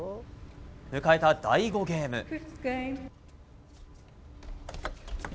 迎えた第５ゲーム。